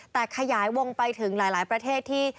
แต่ขยายวงไปถึงหลายประเทศที่